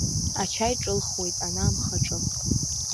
Ачаи ҿылхуеит ана амхаҿы.